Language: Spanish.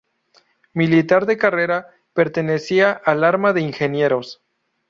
Militar de carrera, pertenecía al arma de ingenieros.